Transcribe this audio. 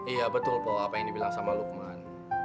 iya betul pola apa yang dibilang sama lukman